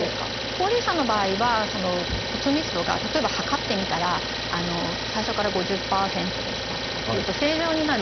高齢者の場合は骨密度が例えば測ってみたら最初から５０％でしたとかっていうと正常になる